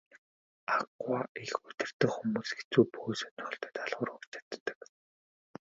Аугаа удирдах хүмүүс хэцүү бөгөөд сонирхолтой даалгавар өгч чаддаг.